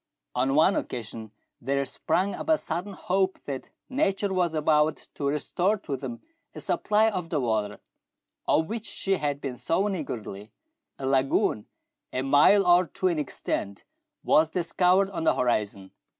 On one occasion there sprang up a sudden hope that nature was about to restore to them a supply of the water of which she had been so niggardly. A THREE ENGLISHMEN AND THREE RUSSIANS. 171 lagoon, a mile or two in extent, was discovered on the horizon.